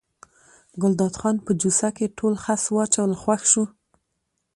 ګلداد خان په جوسه کې ټول خس واچول خوښ شو.